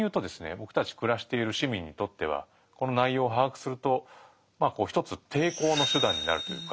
僕たち暮らしている市民にとってはこの内容を把握すると一つ抵抗の手段になるというか。